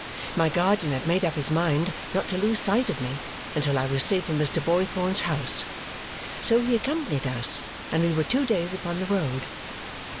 My guardian had made up his mind not to lose sight of me until I was safe in Mr. Boythorn's house, so he accompanied us, and we were two days upon the road.